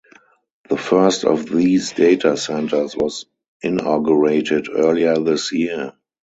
The first of these data centres was inaugurated earlier this year.